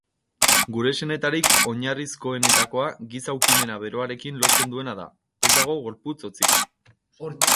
Gure senetarik oinarrizkoenetakoa giza-ukimena beroarekin lotzen duena da, ez dago gorputz hotzik.